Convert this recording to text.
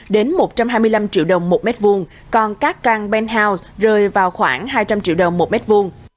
đến một trăm hai mươi năm triệu đồng một mét vuông còn các căn ben hao rơi vào khoảng hai trăm linh triệu đồng một mét vuông